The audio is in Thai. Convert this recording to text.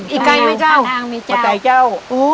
อีกไกลไหมเจ้า